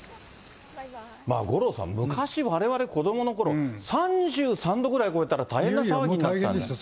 五郎さん、昔われわれ子どものころ、３３度ぐらい超えたら大変な騒ぎになったんですが。